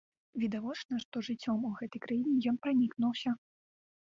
Відавочна, што жыццём у гэтай краіне ён пранікнуўся.